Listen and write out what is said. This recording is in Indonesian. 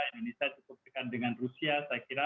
indonesia cukup dekat dengan rusia saya kira